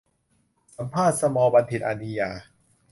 สัมภาษณ์ 'สมอลล์ บัณฑิต อานียา'